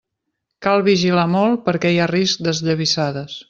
Cal vigilar molt perquè hi ha risc d'esllavissades.